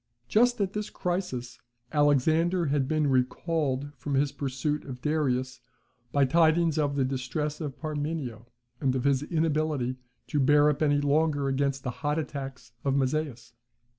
Just at this crisis, Alexander had been recalled from his pursuit of Darius, by tidings of the distress of Parmenio, and of his inability to bear up any longer against the hot attacks of Mazaeus.